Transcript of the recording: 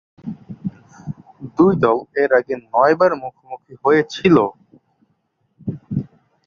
দুই দল এর আগে নয়বার মুখোমুখি হয়েছিল।